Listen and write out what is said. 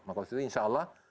maka setelah itu insya allah